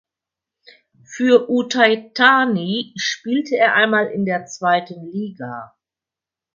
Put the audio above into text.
Für Uthai Thani spielte er einmal in der zweiten Liga.